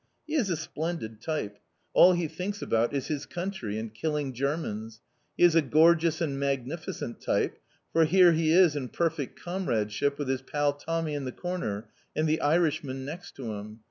He is a splendid type. All he thinks about is his Country, and killing Germans. He is a gorgeous and magnificent type, for here he is in perfect comradeship with his pal Tommy in the corner, and the Irishman next to him.